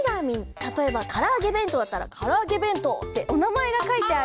たとえばからあげべんとうだったら「からあげべんとう」っておなまえがかいてある。